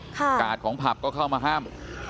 กาดของผับก็เข้ามาห้าม